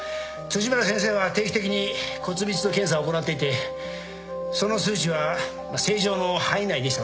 辻村先生は定期的に骨密度検査を行っていてその数値は正常の範囲内でしたので。